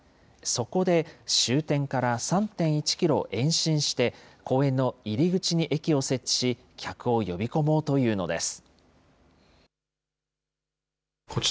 そこで終点から３．１キロ延伸して、公園の入り口に駅を設置し、客を呼び込もうというのです。